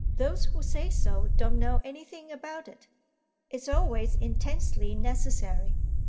"Those who say so don't know anything about it. It's always intensely necessary."